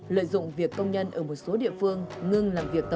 lợi dụng việc công nhân ở một số địa phương ngưng làm việc tập thể